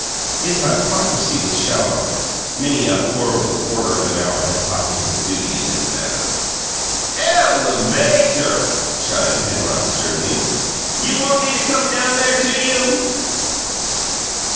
His hypocrisy was shallow: many a horrible quarter of an hour had taught him his duty in this matter. "El e VAY ter!" shouted Penrod sternly. "You want me to come down there to you?"